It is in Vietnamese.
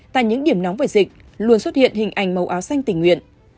tại những điểm nóng về dịch luôn xuất hiện hình ảnh màu áo xanh tình nguyện